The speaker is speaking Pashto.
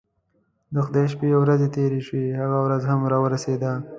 د خدای شپې او ورځې تیرې شوې هغه ورځ هم راورسېده.